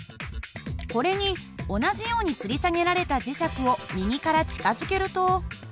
これに同じようにつり下げられた磁石を右から近づけると。